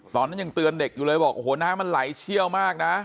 ตอนนั้นยังเตือนเด็กอยู่เลยบอกโอ้โหน้ำมันไหลเชี่ยวมากนะ